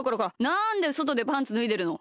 なんでそとでパンツぬいでるの！